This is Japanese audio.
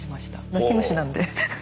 泣き虫なんで。